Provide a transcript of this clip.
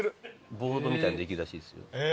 ボードみたいのできるらしいですよ。